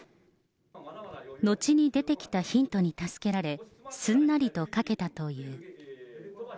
後に出てきたヒントに助けられ、すんなりと書けたという。